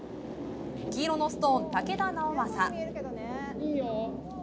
黄色のストーン、竹田直将。